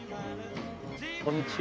こんにちは。